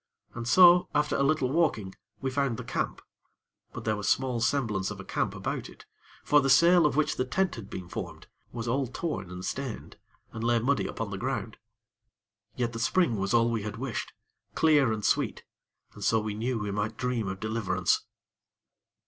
And so, after a little walking, we found the camp; but there was small semblance of a camp about it; for the sail of which the tent had been formed, was all torn and stained, and lay muddy upon the ground. Yet the spring was all we had wished, clear and sweet, and so we knew we might dream of deliverance.